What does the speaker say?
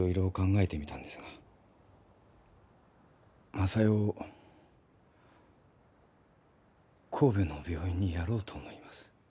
昌代を神戸の病院にやろうと思います。